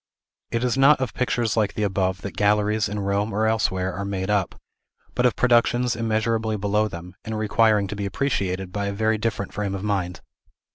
It is not of pictures like the above that galleries, in Rome or elsewhere, are made up, but of productions immeasurably below them, and requiring to be appreciated by a very different frame of mind.